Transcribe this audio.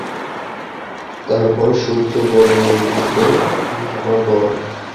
তারপর সূর্য বলবে, হে আমার রব!